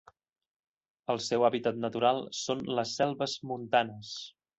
El seu hàbitat natural són les selves montanes.